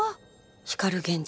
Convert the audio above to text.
光源氏。